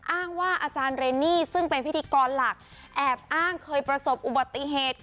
อ้างว่าอาจารย์เรนนี่ซึ่งเป็นพิธีกรหลักแอบอ้างเคยประสบอุบัติเหตุ